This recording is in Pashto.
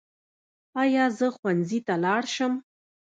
ایا زه ښوونځي ته لاړ شم؟